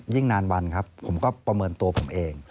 นานวันครับผมก็ประเมินตัวผมเอง